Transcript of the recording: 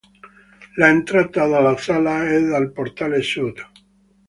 L'entrata della sala è dal portale sud.